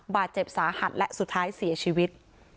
บาดเจ็บสาหัสและสุดท้ายเสียชีวิต